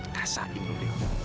kasadi lu deh